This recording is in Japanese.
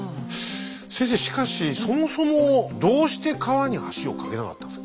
先生しかしそもそもどうして川に橋を架けなかったんですか？